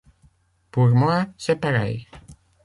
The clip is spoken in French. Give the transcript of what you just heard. Pour moi, c'est pareil.